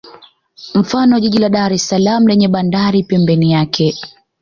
Mfano jiji la Dar es salaam lenye bandari pembeni yake